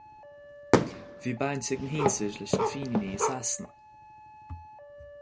Bhí baint ag mo shinsir leis na Fíníní i Sasana.